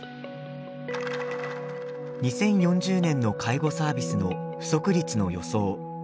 ２０４０年の介護サービスの不足率の予想。